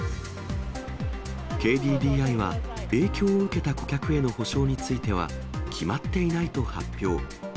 ＫＤＤＩは影響を受けた顧客への補償については、決まっていないと発表。